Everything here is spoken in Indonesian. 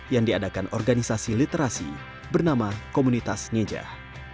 yang diadakan organisasi literasi bernama komunitas nyejah